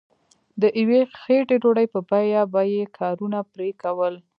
د یوې خیټې ډوډۍ په بیه به یې کارونه پرې کول.